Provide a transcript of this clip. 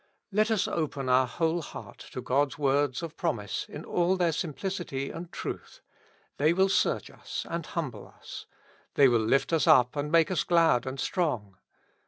Let us open our whole heart to God's words of promise in all their simpli city and truth ; they will search us and humble us ; they will lift us up and make us glad and strong.